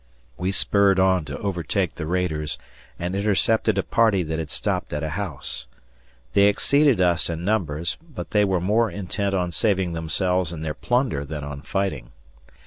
We spurred on to overtake the raiders and intercepted a party that had stopped at a house. They exceeded us in numbers, but they were more intent on saving themselves and their plunder than on fighting.